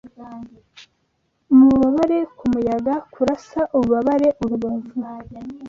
mububabare Ku muyaga; kurasa ububabare Urubavu